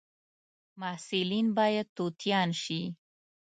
محصلین باید توتیان شي